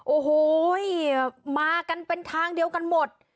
โอ้โหมากันเป็นทางเดียวกันหมด